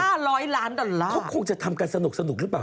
เขาคงจะทำกันสนุกหรือเปล่า